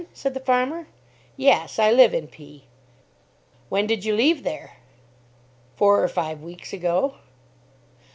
said the farmer. "Yes, I live in P ." "When did you leave there?" "Four or five weeks ago."